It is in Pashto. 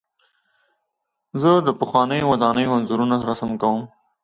زه د پخوانیو ودانیو انځورونه رسم کوم.